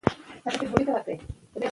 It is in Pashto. اوړي د افغانانو د معیشت سرچینه ده.